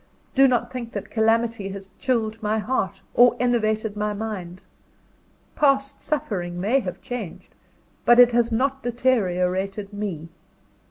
Do not think that calamity has chilled my heart, or enervated my mind. Past suffering may have changed, but it has not deteriorated me.